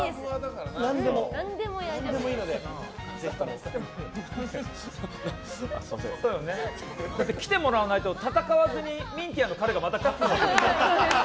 何でもいいので、ぜひとも。来てもらわないと戦わずにミンティアの彼がまた勝つんでしょ。